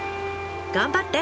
頑張って！